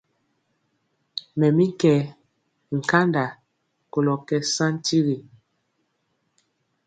Mɛ mi nkanda kolɔ kɛ saŋ tigi.